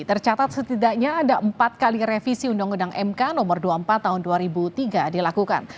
tercatat setidaknya ada empat kali revisi undang undang mk no dua puluh empat tahun dua ribu tiga dilakukan